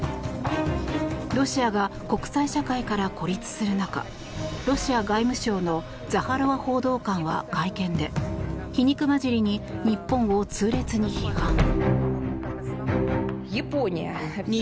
ロシアが国際社会から孤立する中ロシア外務省のザハロワ報道官は会見で皮肉交じりに日本を痛烈に批判。